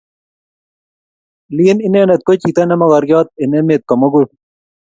lin inendet ko chito ne mogoriot eng emet komugul